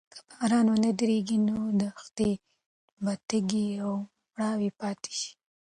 که باران ونه وریږي نو دښتې به تږې او مړاوې پاتې شي.